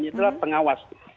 itu adalah pengawas